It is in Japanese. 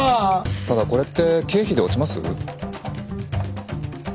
ただこれって経費で落ちます？